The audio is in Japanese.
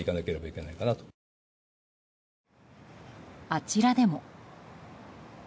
あちらでも。